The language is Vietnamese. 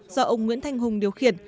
do ông nguyễn thanh hùng điều khiển